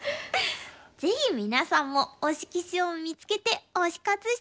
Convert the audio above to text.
ぜひ皆さんも推し棋士を見つけて推し活して下さい！